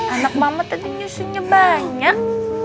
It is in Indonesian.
anak mama tadi nyusunnya banyak